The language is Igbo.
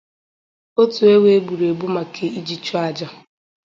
otu ewu e gburu egbu maka iji chụọ àjà